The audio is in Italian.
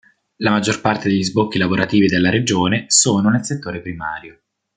La maggior parte degli sbocchi lavorativi della regione sono nel settore primario.